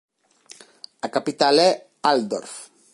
A capital é Altdorf.